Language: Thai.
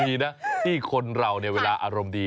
ดีนะที่คนเราเนี่ยเวลาอารมณ์ดี